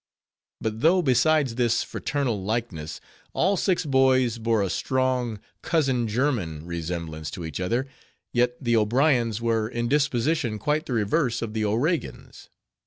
But, though besides this fraternal likeness, all six boys bore a strong cousin german resemblance to each other; yet, the O'Briens were in disposition quite the reverse of the O'Regans.